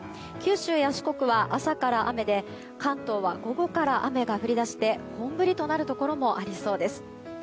九州や四国は朝から雨で関東は午後から雨が降り出して本降りとなるところもありそうです。